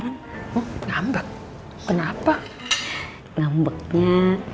ngambek kenapa ngambek nya